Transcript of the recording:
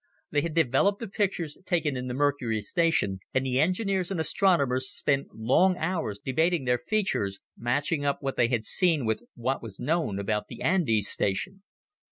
They had developed the pictures taken in the Mercury station, and the engineers and astronomers spent long hours debating their features, matching up what they had seen with what was known about the Andes station.